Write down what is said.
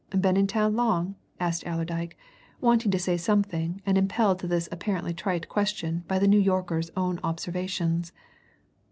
"Been in town long?" asked Allerdyke, wanting to say something and impelled to this apparently trite question by the New Yorker's own observations.